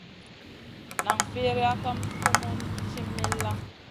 Nan firiya kam sumun ci milla.